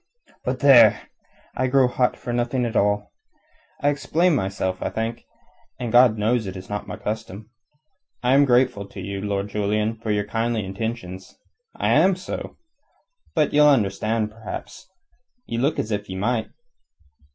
"But there! I grow hot for nothing at all. I explain myself, I think, and God knows, it is not my custom. I am grateful to you, Lord Julian, for your kindly intentions. I am so. But ye'll understand, perhaps. Ye look as if ye might."